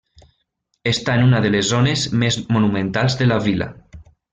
Està en una de les zones més monumentals de la vila.